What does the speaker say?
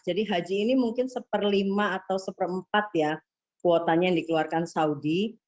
jadi haji ini mungkin satu per lima atau satu per empat ya kuotanya yang dikeluarkan saudi